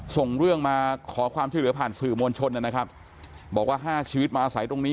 ส่งเรื่องมาขอความช่วยเหลือผ่านสื่อมวลชนนะครับบอกว่าห้าชีวิตมาอาศัยตรงนี้